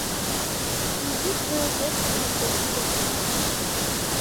— Изиш вует йыр шоналтем ыле!